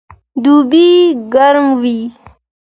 دوبئ ګرم وي